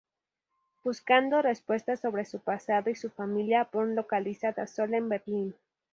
Buscando respuestas sobre su pasado y su familia, Bourne localiza Dassault en Berlín.